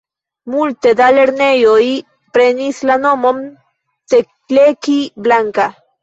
Multe da lernejoj prenis la nomon Teleki Blanka.